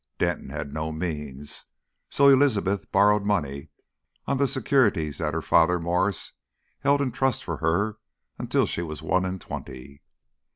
Denton had no means, so Elizabeth borrowed money on the securities that her father Mwres held in trust for her until she was one and twenty.